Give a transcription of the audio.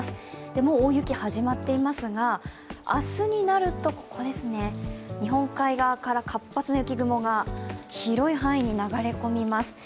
もう大雪始まっていますが、明日になると、日本海側から活発な雪雲が広い範囲に流れ込みます。